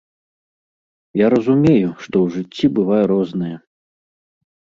Я разумею, што ў жыцці бывае рознае.